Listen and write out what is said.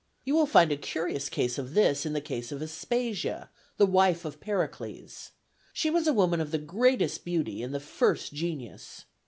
You will find a curious example of this in the case of Aspasia, the wife of Pericles. She was a woman of the greatest beauty and the first genius.